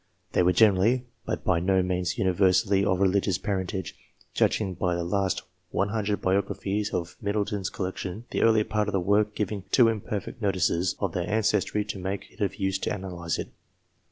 They were generally, but by no means universally, of religious parentage, judging by the last 100 biographies of Middle ton's collection, the earlier part of the work giving too imperfect notices of their ancestry to make it of use to analyse it.